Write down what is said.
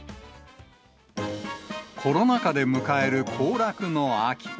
コロナ禍で迎える行楽の秋。